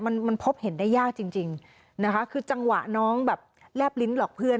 มันมันพบเห็นได้ยากจริงจริงนะคะคือจังหวะน้องแบบแลบลิ้นหลอกเพื่อน